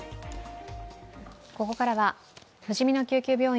ここからはふじみの救急病院